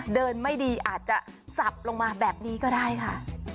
ไม่ดีอาจจะสับลงมาแบบนี้ก็ได้ค่ะ